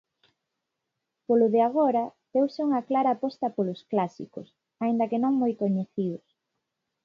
Polo de agora, deuse unha clara aposta polos clásicos, aínda que non moi coñecidos.